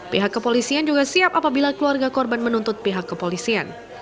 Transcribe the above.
pihak kepolisian juga siap apabila keluarga korban menuntut pihak kepolisian